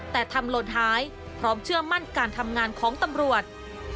แต่ทำหล่นหายพร้อมเชื่อมั่นการทำงานของตำรวจ